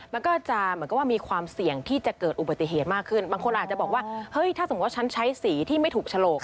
มันก็จะเหมือนกับว่ามีความเสี่ยงที่จะเกิดอุบัติเหตุมากขึ้นบางคนอาจจะบอกว่าเฮ้ยถ้าสมมุติว่าฉันใช้สีที่ไม่ถูกฉลก